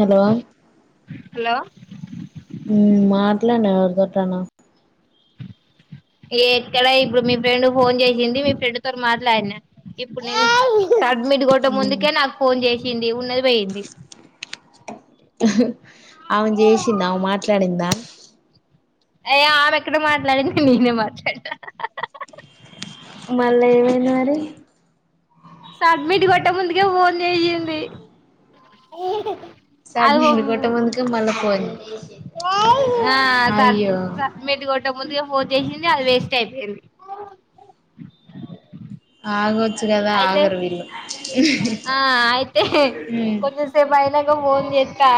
Hello hello మాట్లానే ఎవరితోటన ఎక్కడ ఇప్పుడు మీ ఫ్రెండ్ ఫోన్ చేసింది మీ ఫ్రెండ్ తో మాట్లాడినా ఇప్పుడు నేను ముడిగట ముందుకే నాక్ ఫోన్ చేసి డింఉన్నది పోయింది. ఆమె చేసిందా మాట్లాడిందా అయ్యె ఆమె ఎక్కడ మాట్లాడింది నేనే మాట్లాడ మల్ల ఏమన్నారి. సబ్మిట్ కొట్టే ముందుకే ఫోన్ చేసింది. అది సడ్మిట్ కొట్టమందుకే మళ్ళా పోయింది ఆ కట్ అయ్యో మటి కొట్టక ముందుగా ఫోన్ చేసింది. అని అది వేస్ట్ అయిపోయింది. ఆగో చ్చుగదా అయితే ఆగరవీళ్లు ఆ అయితే మ్మ్ కొంచెం సేపు అయినాక ఫోన్ చెస్తా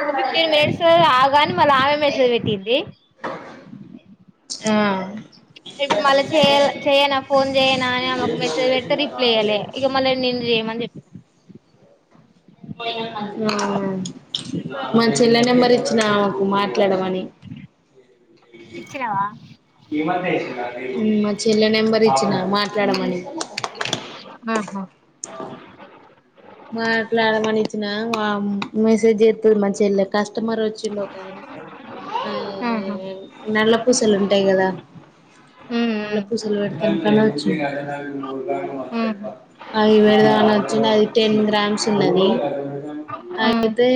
ఒక ఫిఫ్టీన్ మినిట్స్ ఆగాని మ మేసేజ్ పెట్టింది ఆ ఇప్పుడు మళ్ళీ చేయాల చెయనా ఫోన్ చేయనా అని ఆమెకు మెసేజ్ పెడితే రిప్లై అయ్యాలే ఇగా మళ్ళ నిన్ను చేయమని చెప్ [inaudible] మా చెల్లె నెంబర్ ఇచ్చినా ఆమ్ కుమార్ ట్లామని, ఇచ్చినవా మా చెల్లె నెంబర్ ఇచ్చిన మాట్లాడమని ఆహా మాట్లాడమని ఇచ్చిన మా మెసేజ్ చెత్తది మా చెల్లె కష్ మరు వచ్చిండు ఒక ఆయన. ఆయన ఆహా నల్ల పూసలు ఉంటాయి కదా, నల్ల ఉమ్ పూస ఆడికి ఉమ్ పెడదాం అచ్చిండు అది టెన్ గ్రామ్స్ ఉన్నది ఉమ్ అయితే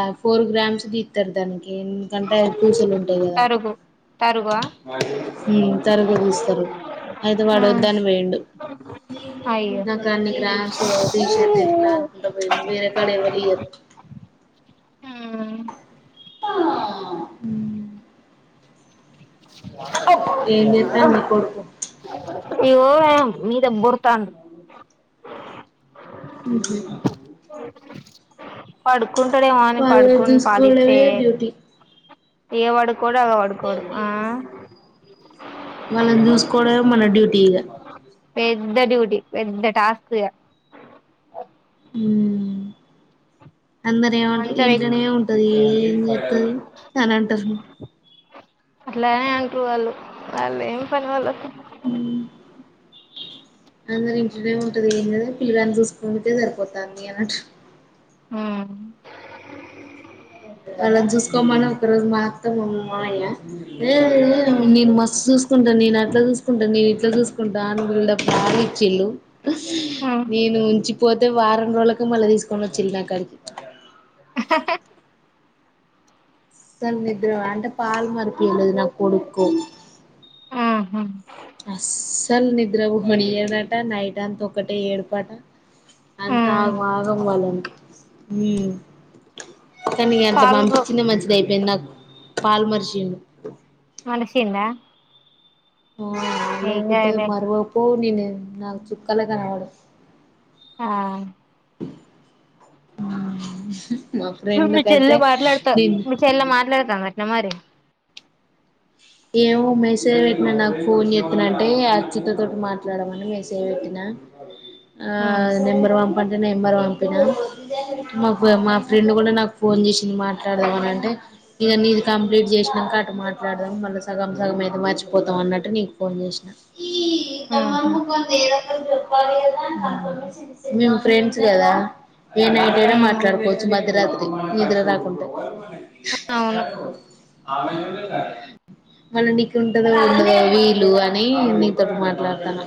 ఆ ఫోర్ గ్రామ్స్ తిత్తారు దానికి ఎందుకంటే పూసలు ఉంటాయి కదా. తరుగు తరుగువా ఉమ్ తరగు తీస్తారు అయితే వాడు వద్దని పోయిండు అయ్యో నాకు అన్ని క్రాస్ టీషర్ వేర కడ ఎవళ్ళియ్యారూ ఊ ఆ ఏం చేత్తండు నీ కొడుకు ఇగో ఏమో మీద బోర్రుతాండు పడు కుంటాడేమో అని వాళ్ళని పడుకోని పాలిస్తే చూసుకోవడమే డ్యూటీ ఏ వాడు వాళ్ళని చూసుకోవడమే మన డ్యూటీ ఇగ పెద్ద డ్యూటీ పెద్ద టాస్క్ ఇగ హుమ్ అందరు ఏమంటారు మంచం ఎక్కి ఇంట్లనే ఉంటది ఏం చెత్తది అని అంటారు అదేం పని వాళ్లకు అందరు ఇంట్లోనే ఉంటది ఏమీలేదు పిల్లగాని చూసుకుంటే సరిపోతంది అని అంటారు ఆ అలా చూసుకోమను ఒక రోజు మాత్త మా మామయ్యా ఏ ఏ ఉమ్ నేను మస్త్ చుస్ కుంటా నేను అట్లా చూసుకుంటా నేను ఇట్లా చూసుకుంటా అని బిల్డప్ బాగా ఇచ్చిన్లు నేను ఉంచి పోతే వారం రోజులకి మళ్ళీ తీసుకొని ఒచ్చిన్లు నా కాడికి అసల్ నిద్ర అంటే పల్ మరిపియ్యలేదు నా కొడుకు ఉహు అస్సలు నిద్ర పోనియడు అట నైట్ అంతా ఒకటే ఏడుపాట అంత ఉమ్ ఆగ ఆగం వాళ్ళం హ్మ్ కానీ అంత పాలు పో పంపించింది మంచిది అయిపోయింది నాకు పాల్ మర్చిండు మానేసిండా ఆ లేకపోతే మరువపో నేను నాకు చుక్కలు కనవడు ఆ హ్మ్ నువ్వు మీ చెల్ ల మాట్లాడుతా మీ చెల్ల మాట్లాడుతందా నమ్ మరి. ఏమో మెసేజ్ పెట్టినా నాకు ఫోన్ చేస్తనంటే అచితతోటి మాట్లాడమని మెసేజ్ పెట్టినా. ఆ ఉమ్ నెంబర్ వన్. పంటేనే నెంబర్ పంపిన మాకు మా ఫ్రెండ్ కూడా నాకు. పోన్ జేసి. మాట్లాడదాం మని అంటే ఇక నీది కంప్లీట్ చేసినాక అట మాట్లాడదం మళ్ళ. సగం సగం అయితే మర్చిపోతాం అన్నట్టు నీకు ఫోన్ చేసిన. ఈ దొంగ ఉహు మొకం ది ఏదో మేము ఫ్రెండ్స్ కదా ఏనైటైనా ఉమ్ మాట్లాడుకోవచ్చు మధ్యరాత్రి నిద్ర రాకుంటే. [inaudible] అవును ఆ మూరు దాటి. మళ్ళ నీకు ఉంటందో ఉండదో వీలు అని నీతోని మాట్లాడతన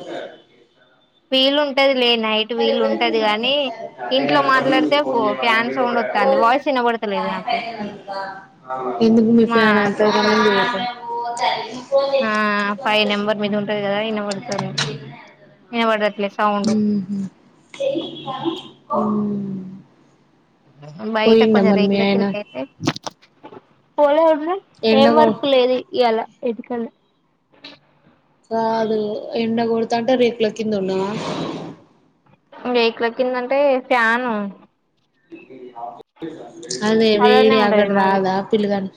వీల్ ఉంటది. లే నైట్ వీలు ఉంటది గాని ఇంట్లో మాట్లాడితే ఫో ఫ్యాన్ సౌండ్ వత్తాంది వాయిస్ వినబడతలేదు నాకు ఎందుకు మీ మా ఫ్యాన్ లోపల అంతగనం తిరుగుతు ఓ చదివి. ఆ ఫై నెంబర్ మీద ఉంటది కదా ఇ నెంబర్ తోని ఇనపడ్ హ్మ్ హు హ్మ్ బయట కొంచెం రేకుల కింద అయితే పోలే. ఎండ ఎం కొ వర్క్ లేదు ఇయాల [unintelligible] కిందున్నావా. బేక్ల కిందంటే ఫ్యాను. [inaudible] అదే చల్లనే వేడి అక్కడ ఉంటది మాది రాదా పిల్లగని.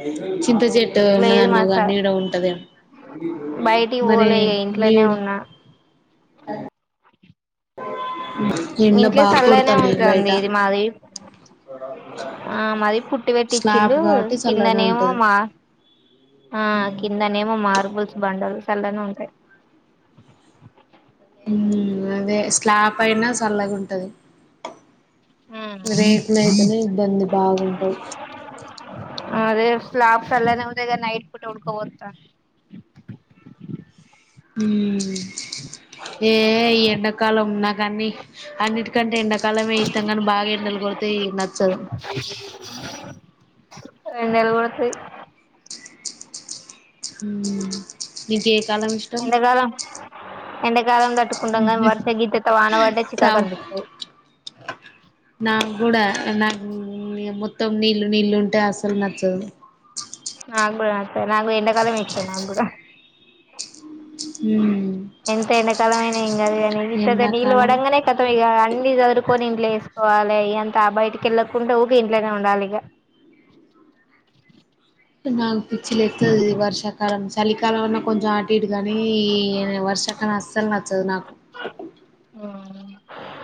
అయితే. చింత చెట్టు ఉన్నది లేదు మా అన్నవు గా స నీడ ఉంటద బయటికి మరి పోలే ఇగ ఇంట్లోనే నీడ. ఉన్నా అ. ఇంట్లో బాగా చల్లగనే కొడతాంది ఉంటది. బయట ఇది మాది ఆ మాది పుట్టి పెట్టి స్లాబ్ చిల్లు కాబట్టి చల్లనే కిందనేమో, ఉంటది మా ఆ కిందనేమో మార్బుల్స్ బండల్స్. చల్లగనే ఉంటాయి. హుహుమ్. అదే స్లాప్ అయినా. చల్లగ ఉంటది. ఉమ్ ఉమ్ రేపు నైతేనే ఇబ్బంది బాగుంది. అదే స్లాబ్స్ అలానే ఉంటాయి గాని నైట్ పూట ఉడ్కపోతాంది. ఏ ఈ ఎండాకాలం నాక అన్ని అన్నిటికంటే, ఎండాకాలమే ఇష్టం కానీ, బాగా ఎండలు కొడితే నచ్చదు. ఎండలు కొడుతాయ్ హ్మ్ ఏ చాలా ఇష్టం ఎండ క్ కాలం తటుకుంటం వర్ష గీతతో వానపడ్డ చికాకు సామ్ అనిపిస్తది నాకు గూడా నాకు మొత్తం నీళ్ళ నీళ్ళు ఉంటే అసలు నచ్చదు. నాగూడ అక్క నాకు ఎండ కాలమే ఇష్టం నా కూడ ఉమ్ ఎంతై నా కథ విని ఇం దు కానీ ఇంత నీళ్ ఎండాకాలం పడంగానే కథం ఇగ అన్ని చదురుకొని ఇంట్లో వేసుకోవాలి. అంతా బయటికి వెళ్ళకుండ ఊక ఇంట్లోనే ఉండాలిక నాకు పిచ్చిలేత్తది వర్షా లం చలి కాలం అన్న కొంచెం ఆ డు కానీ వర్షకాలం అసలు నచ్చదు నాకు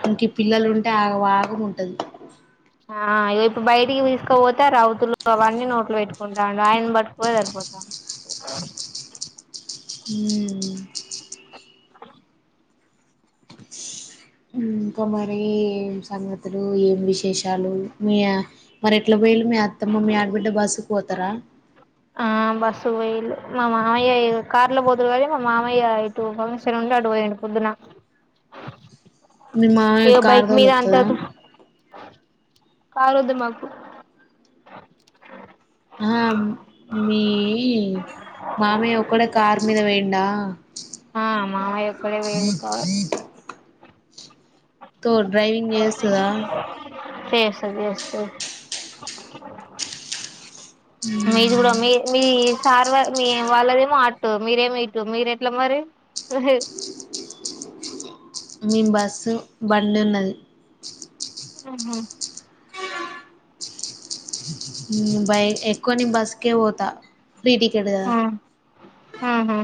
ఇంక ఈ పిల్లలు ఉంటే ఆగ వాగము ఉంటది ఆఎపు బయటికి తీసుకపోతే రౌతులు అవన్నీ నోట్లో పెట్టుకుంటాండు. ఆయన పట్టుకొనేది సరిపోతాంది. హు హ ఇంకా మరి ఏం సంగతులు ఏం విశేషాలు మీ మరి ఎట్లా పోయిలు మీ అత్తమ్మ మీ ఆడబిడ్డ బాసు పోతరా ఆ బస్సు పోయిలు మా మామయ్య కార్ లో పోతురు కానీ, మా మామయ్య ఇటు ఫంక్షన్ ఉంటే అటు పోయండు పొద్దున. మీ మామయ్య ఇగ కార్ బైక్ తోలేకి మీద వత్తదా. కారుద్ మాకు ఆ మీ మామయ్య ఒక్కడే కార్ మీద పోయిండా ఆ మామయ్య ఒక్కడే పోయిండు కార్ తో డ్రైవింగ్ చేస్తదా చేస్త చేస్తది మీది కూడా మీ మీ సార్ వా మీ వాళ్ళదిమో అట్ మీరే మో ఇటు మీరు ఎట్లా మరి హ్ మీమ్ బస్సు బండి ఉన్నది ఉహు ఉమ్ బైక్ ఎక్కువ నే బస్కే పోతా ఫ్రీ టికెట్ కదా హా హ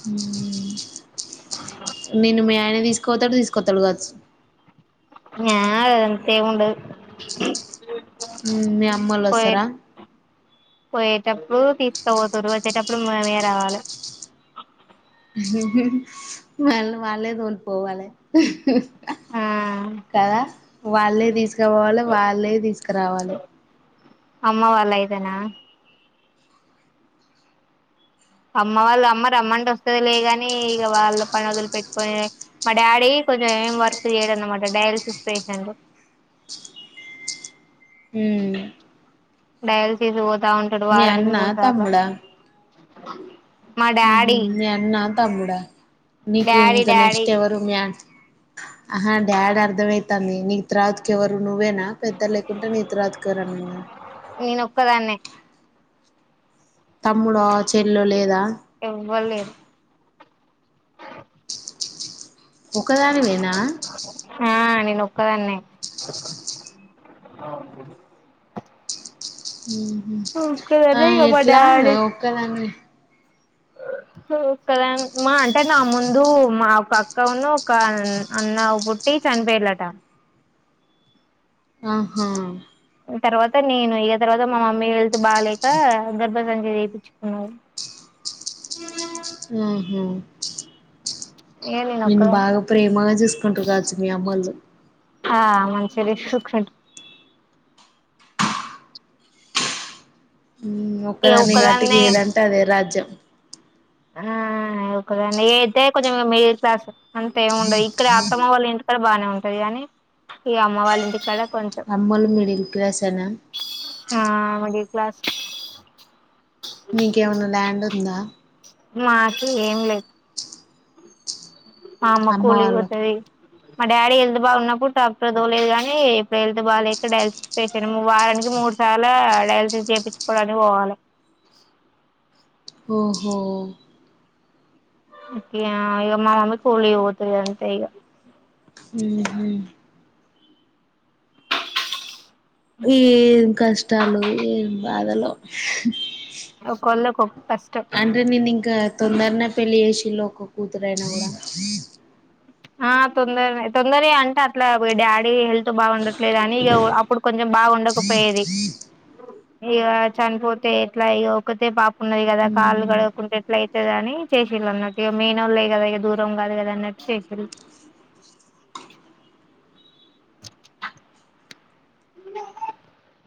హుమ్ నిన్ను మీ ఆయన తీసుకోతాడు తీసుకొత్తడు కాచ్ ఆ అంతెమ్ ఉండదు ఉమ్ మీ అమ్మోళ్ళు పోయే వస్తర పోయేటప్పుడు తీసుక పోతరు వచ్చేటప్పుడు మనమే రావాలె ఉహ్ హు వాళ్ళు వాళ్ళే తోలి పోవాలె ఆ కదా వాళ్ళే తీసు తీసుకోవాలె వాళ్ళే తీసుకురావాలె అమ్మ వాళ్ళు ఇతేనా అమ్మ వాళ్ళు అమ్మ రమ్మంటే వస్తుది లే కాని, ఇక వాళ్ళు పని వదిలి పెట్టుకొని మా డాడీ కొంచెం ఏమి వర్క్ చేయడు అన్నమాట డయాలసిస్ పేషెంట్ డయాలిసిస్ పో మీ అన్న తమ్ముడా మా ఉహు డాడీ మీ అన్న తమ్ముడా నీకు డాడీ ఇంకా డాడీ నెక్స్ట్ఎవరు మ్యా ఆహ డాడ్ అర్ధంమైతాంది నీకు త్రావాతక్ ఎవరు నువ్వేనా పెద్ద లేకుంటే నీ తర్వాత ఇంకా ఎవరైనా ఉన్నారా నేను ఒక్కదాన్నే తమ్ముడా చెల్లో లేదా ఎవ్వరు లేరు ఒకదానివేనా ఆ నేను ఒక్కదాన్నే ఉహు ఒక్కదాన్నే ఇగ మా ఎట్లా ఒక్కదాన్ని ఆ కద మా అంటే నా ముందు మా ఒక అక్క ఉన్ ఒక అన్న పుట్టి చనిపోయిలట ఆహా తర్వాత నేను ఇ తర్వాత మా మమ్మీ వె బాలేక గర్బస గంజి చేపించుకున్నాను ఏమ హ్మ్ హ్మ్ ఇగ నేను నిన్ను ఒక్కదాన్ని బాగా ప్రేమగా చూసుకుంటారు కావచ్చు మీ అమ్మల్లు ఆ మంచి రిసీక్షాన్ ఇగ ఒక్కదాన్ని గాబట్టి ఒక్కదాన్నే ఏదంటే అదే రాజ్యా పజం [unintelligible] ఆ ఒక్కదాన్నె ఎయితే కొంచెం మిడిల్ క్లాస్ అంతే ఏమి ఉండదు ఇక్కడ అత్తమ్మ వాళ్ళ ఇంటికాడ బాగానే ఉంటది కాని ఈ అమ్మ వాళ్ళ ఇంటికాడ కొంచెం అమ్మాల్లు మిడిల్ క్లాస్ నా ఆ మిడిల్ క్లాస్ మీకువున్నా ల్యాండ్ మ్ ఉందా మాకి ఏం లేదు [unintelligible] ఆమా అమ్మ కూలి వాళ్ళకు పోతాది మా డాడీ హెల్త్ బాగా ఉన్నప్పుడు ట్రాక్టర్ తొల్లెదు కాగానీ ఇప్పుడు హెల్త్ బాగా లేక డయాలసిస్ పేసండి వారానికి మూడు సార్ డయాలసిస్ చేయించుకోవడానికి పోవాలి ఓహో ఒకే ఇక వాళ్ళ అమ్మ వాళ్ళు కూలీకి పోతాది అంతే ఇక వుహూ ఏం కష్టాలొ ఏమో బాధలో ఓ కొన్నాకొ తండ్రిని మింకాత్ తొందరనే పెళ్ళి చెసిండురు ఒక్క కూతురయిన కూడా ఆ తొందరె తొందరె అంటే అట్లా డాడీ హెల్త్ బాగుండట్లేదు అని ఇక అప్పుడు కొంచెం బాగుండకపోయేది ఇక చనిపోతే ఎట్లా ఇక ఒకతే పాప ఉన్నవి కదా కాలు కడకుంటే ఎట్లా అయితేగాని చేసేయళ్ళా అన్నట్టు గా ఇక మయినోళ్లే లే కదా ఇక దూరం కాదు కద అన్నట్టు వచ్చెస్తారు అ